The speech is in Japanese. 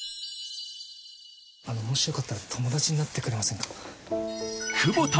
もしよかったら友達になってくれませんか？